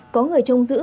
có người trông giữ